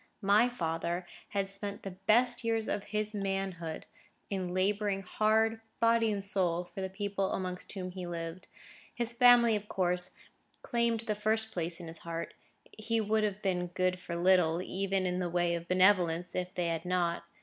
My father had spent the best years of his manhood in labouring hard, body and soul, for the people amongst whom he lived. His family, of course, claimed the first place in his heart; he would have been good for little, even in the way of benevolence, if they had not.